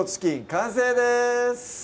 完成です